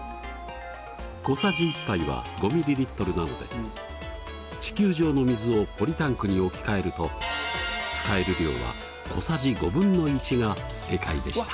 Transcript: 小さじ１杯は５ｍＬなので地球上の水をポリタンクに置き換えると使える量は小さじ５分の１が正解でした。